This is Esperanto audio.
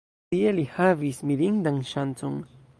Tie li havis mirindan ŝancon.